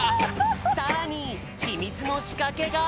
さらにひみつのしかけが。